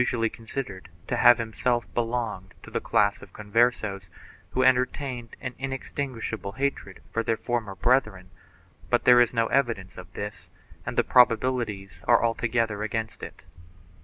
He is usually con sidered to have himself belonged to the class of Converses who entertained an inextinguishable hatred for their former brethren, but there is no evidence of this and the probabilities are altogether against it.